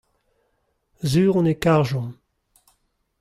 sur on e karjomp.